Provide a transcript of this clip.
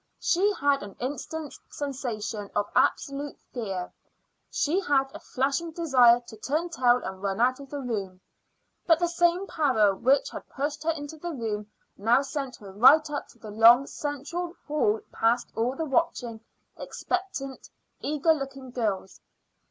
She had an instant's sensation of absolute fear. She had a flashing desire to turn tail and run out of the room; but the same power which had pushed her into the room now sent her right up the long central hall past all the watching, expectant, eager looking girls.